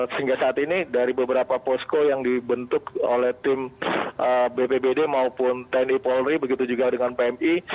sehingga saat ini dari beberapa posko yang dibentuk oleh tim bpbd maupun tni polri begitu juga dengan pmi